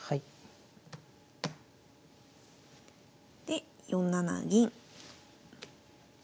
で４七銀。